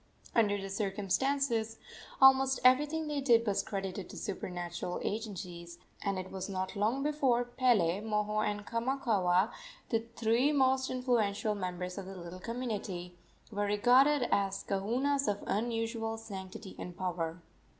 Under the circumstances almost everything they did was credited to supernatural agencies, and it was not long before Pele, Moho and Kamakaua the three most influential members of the little community were regarded as kahunas of unusual sanctity and power.